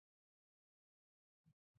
以应图谶。